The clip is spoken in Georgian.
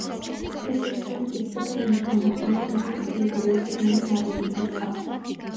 ეს ვერსია მტკიცდება იმით, რომ ნახევარკუნძულის ტერიტორიაზე ბევრი მარილიანი ტბაა.